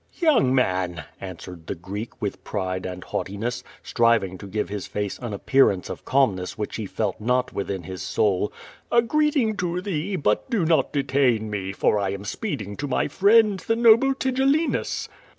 ^Young man," answered the Greek, \\A^ pride and haughti ness, striving to give his face an appearanSfespf calmness which he felt not within his soul, "a greeting tojthec, but do not detain me, for I am speeding to my friend,\thc noble Tigel linus."